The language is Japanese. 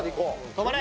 止まれ！